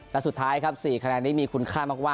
และสุดท้ายครับ๔คะแนนนี้มีคุณค่ามาก